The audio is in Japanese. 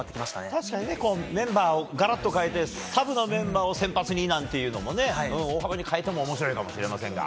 確かにメンバーをがらっと変えてサブのメンバーを先発になんていうのも変えても面白いかもしれないです。